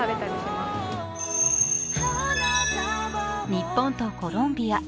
日本とコロンビア。